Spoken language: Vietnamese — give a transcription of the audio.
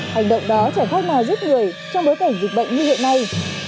hành động đó chẳng phát nào giúp người trong bối cảnh dịch bệnh như hiện nay